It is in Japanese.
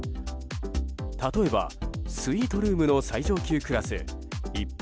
例えばスイートルームの最上級クラス１泊